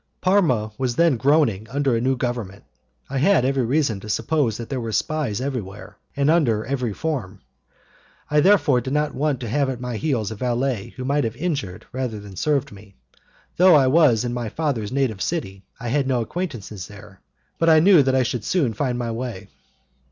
Parma was then groaning under a new government. I had every reason to suppose that there were spies everywhere and under every form. I therefore did not want to have at my heels a valet who might have injured rather than served me. Though I was in my father's native city, I had no acquaintances there, but I knew that I should soon find my way.